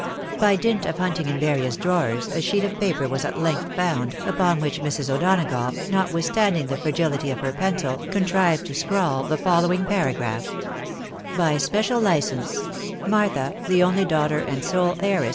By dint of hunting in various drawers, a sheet of paper was at length found, upon which Mrs. O'Donagough, notwithstanding the iragility of her pencil, contrived to scrawl the following paragraph :" By special license — Martha, the only daughter and sole heiress